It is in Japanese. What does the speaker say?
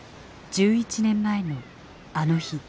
１１年前のあの日。